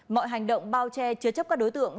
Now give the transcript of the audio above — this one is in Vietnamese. mọi hành động bao che chứa chấp các đối tượng